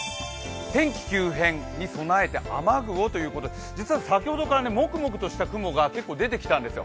天気急変に備えて雨具をということで実は先ほどからもくもくとした雲が結構出てきたんですよ。